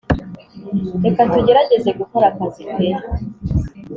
Reka tugerageze gukora akazi peu